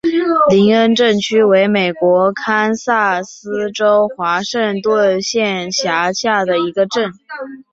林恩镇区为美国堪萨斯州华盛顿县辖下的镇区。